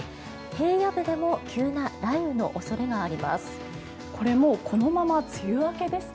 平野部でも急な雷雨の恐れがあります。